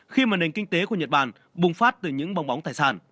khi mà nền kinh tế của nhật bản bùng phát từ những bóng bóng tài sản